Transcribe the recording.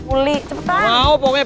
uli cepetan nggak mau pokoknya